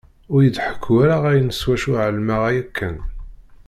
Ur yi-d-ḥekku ara ayen s wacu εelmeɣ yakan.